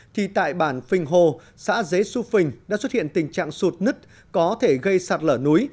thì tại bản phình hồ xã xế xu phình đã xuất hiện tình trạng sụt nứt có thể gây sạt lở núi